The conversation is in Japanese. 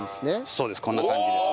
そうですこんな感じです。